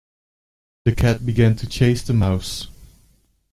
The cat began to chase the mouse.